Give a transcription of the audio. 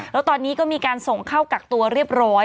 แล้วตอนนี้ก็มีการส่งเข้ากักตัวเรียบร้อย